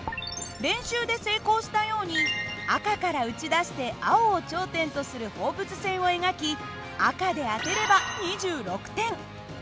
練習で成功したように赤から撃ち出して青を頂点とする放物線を描き赤で当てれば２６点。